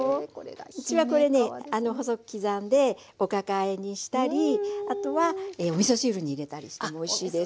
うちはこれね細く刻んでおかかあえにしたりあとはおみそ汁に入れたりしてもおいしいですよ。